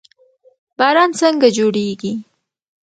باران څنګه جوړیږي؟